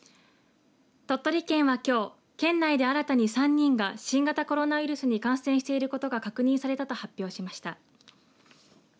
鳥取県は、きょう県内で新たに３人が新型コロナウイルスに感染していることが確認されたと発表しました。